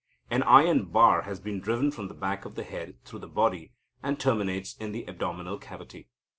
An iron bar has been driven from the back of the head through the body, and terminates in the abdominal cavity.